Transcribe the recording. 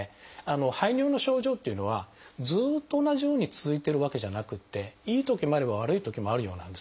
排尿の症状っていうのはずっと同じように続いてるわけじゃなくていいときもあれば悪いときもあるようなんですね。